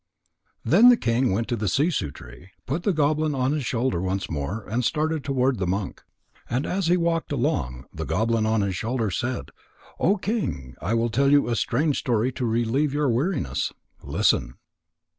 _ Then the king went to the sissoo tree, put the goblin on his shoulder once more, and started toward the monk. And as he walked along, the goblin on his shoulder said: "O King, I will tell you a strange story to relieve your weariness. Listen."